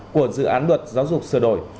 của dự án của quốc hội khóa một mươi bốn